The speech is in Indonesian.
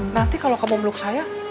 nanti kalau kamu memeluk saya